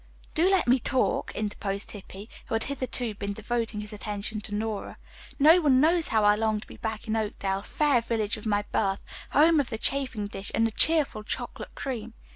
"Do let me talk," interposed Hippy, who had hitherto been devoting his attention to Nora. "No one knows how I long to be back in Oakdale, fair village of my birth, home of the chafing dish and the cheerful chocolate cream.